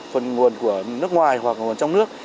phần nguồn của nước ngoài hoặc nguồn trong nước